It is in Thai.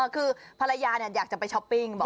คือภรรยาเนี่ยอยากจะไปช็อปปิ้งบอก